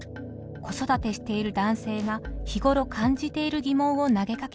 子育てしている男性が日頃感じている疑問を投げかけました。